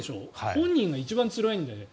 本人が一番つらいんだよ。